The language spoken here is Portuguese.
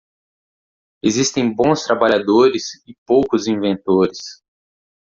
Existem bons trabalhadores e poucos inventores.